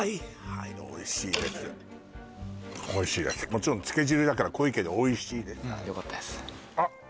もちろんつけ汁だから濃いけどおいしいですよかったですあっ